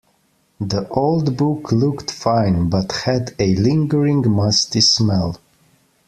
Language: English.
The old book looked fine but had a lingering musty smell.